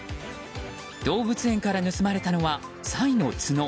動物園から盗まれたのはサイの角。